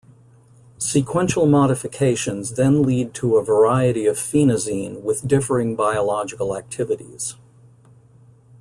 Sequential modifications then lead to a variety of phenazine with differing biological activities.